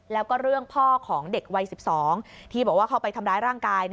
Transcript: แล้วก็เรื่องพ่อของเด็กวัย๑๒ที่บอกว่าเข้าไปทำร้ายร่างกาย